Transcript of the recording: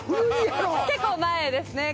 結構前ですねあっ